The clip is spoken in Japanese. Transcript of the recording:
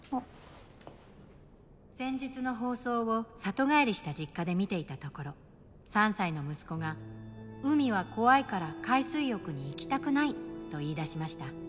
「先日の放送を里帰りした実家で見ていたところ３歳の息子が海は怖いから海水浴に行きたくないと言いだしました。